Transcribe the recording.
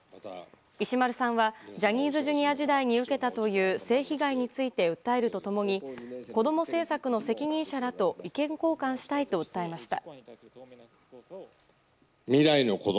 石丸さんはジャニーズＪｒ．時代に受けたという性被害について訴えると共にこども政策の責任者らと意見交換したいと訴えました。